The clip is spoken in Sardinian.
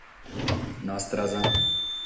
Nostras.